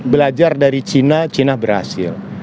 belajar dari cina cina berhasil